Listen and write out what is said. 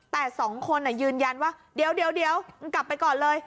แต่สองคนยืนยันว่าเดี๋ยวกลับไปก่อนเลย